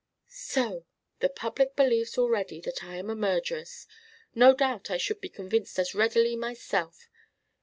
"So the public believes already that I am a murderess! No doubt I should be convinced as readily myself.